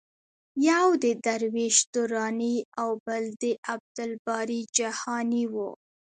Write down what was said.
یو د درویش دراني او بل د عبدالباري جهاني و.